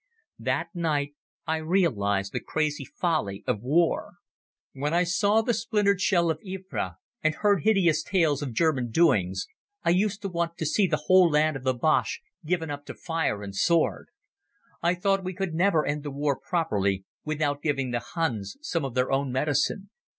That night I realized the crazy folly of war. When I saw the splintered shell of Ypres and heard hideous tales of German doings, I used to want to see the whole land of the Boche given up to fire and sword. I thought we could never end the war properly without giving the Huns some of their own medicine.